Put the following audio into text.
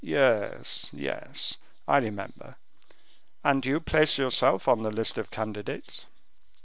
"Yes, yes, I remember; and you place yourself on the list of candidates?"